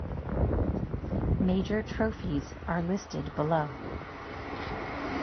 Major trophies are listed below.